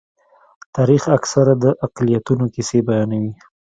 تاریخ اکثره د اقلیتونو کیسې بیانوي.